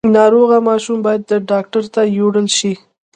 ناروغه ماشوم باید ډاکټر ته یووړل شي۔